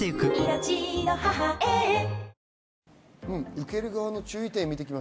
受ける側の注意点です。